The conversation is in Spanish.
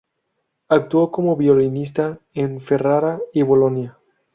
Actuó como violinista en Ferrara y Bolonia.